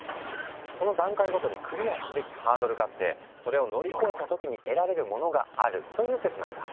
その段階ごとにクリアすべきハードルがあってそれを乗り越えた時に得られるものがあるという説なんだ。